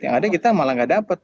yang ada kita malah nggak dapat